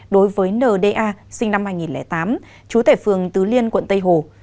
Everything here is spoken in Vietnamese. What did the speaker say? đối với nda sinh năm hai nghìn tám chú tệ phường tứ liên quận tây hồ